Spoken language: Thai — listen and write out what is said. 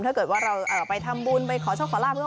ถ้าเกิดว่าเราไปทำบุญไปขอโชคขอลาบก็